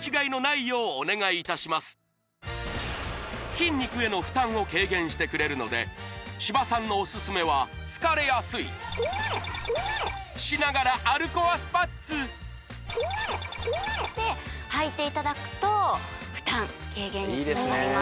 筋肉への負担を軽減してくれるので千葉さんのおすすめは疲れやすい○○しながら歩コアスパッツ○○ではいていただくと負担軽減につながります